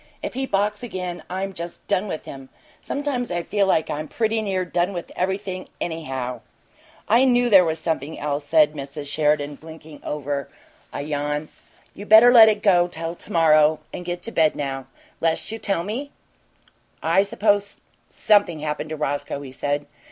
If he balks again I'm just done with him! Sometimes I feel like I was pretty near done with everything, anyhow!" "I knew there was something else," said Mrs. Sheridan, blinking over a yawn. "You better let it go till to morrow and get to bed now 'less you'll tell me?" "Suppose something happened to Roscoe," he said.